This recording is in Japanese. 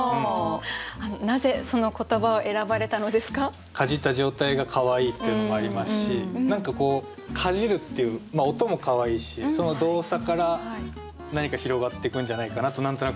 かじった状態がかわいいっていうのもありますし何かこうかじるっていう音もかわいいしその動作から何か広がってくんじゃないかなと何となく思って。